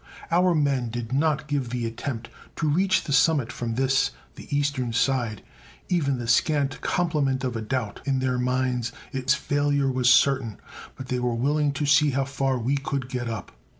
Our men did not give the attempt to reach the summit from this, the eastern side, even the scant compliment of a doubt; in their minds its failure was certain, but they were willing to see how far we could get up.